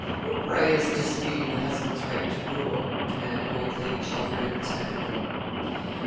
'Who, pray, is disputing the husband's right to rule?' demanded old Lady Chelford unexpectedly.